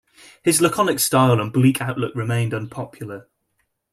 His laconic style and bleak outlook remained unpopular.